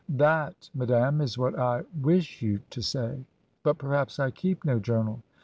That, madam, is what I tmsh you to say.' 'But perhaps I keep no journal.'